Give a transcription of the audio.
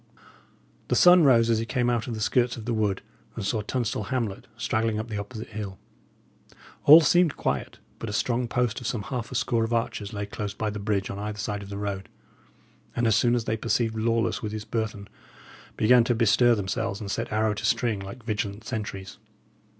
The sun rose as he came out of the skirts of the wood and saw Tunstall hamlet straggling up the opposite hill. All seemed quiet, but a strong post of some half a score of archers lay close by the bridge on either side of the road, and, as soon as they perceived Lawless with his burthen, began to bestir themselves and set arrow to string like vigilant sentries.